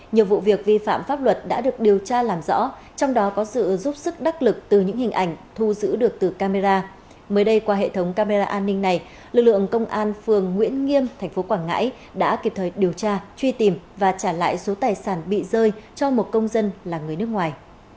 nhiều vụ việc vi phạm pháp luật đã được điều tra làm rõ trong đó có sự giúp sức đắc lực từ những hình ảnh thu giữ được từ camera mới đây qua hệ thống camera an ninh này lực lượng công an phường nguyễn nghiêm tp quảng ngãi đã kịp thời điều tra truy tìm và trả lại số tài sản bị rơi cho một công dân là người nước ngoài